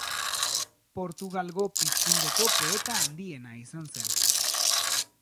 Portugalgo Pizkundeko poeta handiena izan zen.